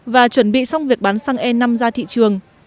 và chuẩn bị xong việc bán xăng e năm ra thị trường